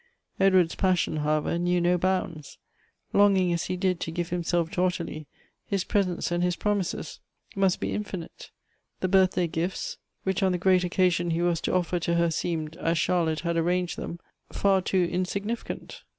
Edward's pas sion, however, knew no bounds. Longing as he did to give himself to Ottilie, his presents and his promises must be infinite. The birthday gifts which on the great occa Elective Affinities. 119 sion he was to offer to her seemed, as Charlotte had arranged them, far too insignificant.